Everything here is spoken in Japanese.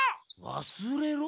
わすれろ？